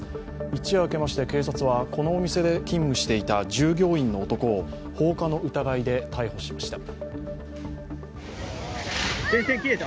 一夜明けまして、警察はこのお店で勤務していた従業員の男を放火の疑いで逮捕しました。